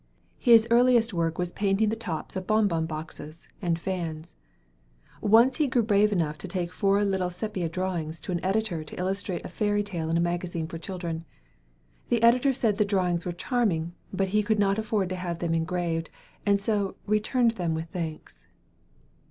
His earliest work was painting the tops of bon bon boxes, and fans. Once he grew brave enough to take four little sepia drawings to an editor to illustrate a fairy tale in a magazine for children. The editor said the drawings were charming, but he could not afford to have them engraved, and so "returned them with thanks."